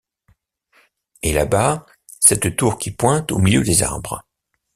Et là-bas, cette tour qui pointe au milieu des arbres...